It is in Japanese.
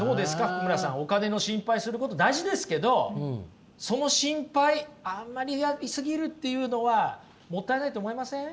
福村さんお金の心配すること大事ですけどその心配あんまりやり過ぎるっていうのはもったいないと思いません？